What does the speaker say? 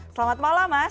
selamat malam mas